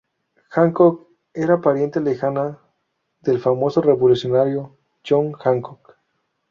Hancock era pariente lejana del famoso revolucionario John Hancock.